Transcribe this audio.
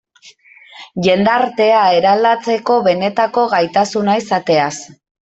Jendartea eraldatzeko benetako gaitasuna izateaz.